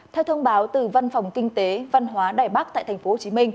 theo thông báo từ văn phòng kinh tế văn hóa đài bắc tại tp hcm